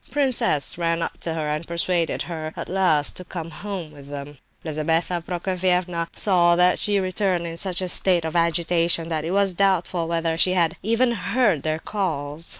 Prince S. ran up to her and persuaded her, at last, to come home with them. Lizabetha Prokofievna saw that she returned in such a state of agitation that it was doubtful whether she had even heard their calls.